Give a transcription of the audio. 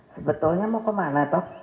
sebetulnya mau kemana toh